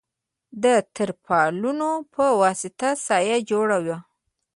د تر پالونو په وسطه سایه جوړه وه.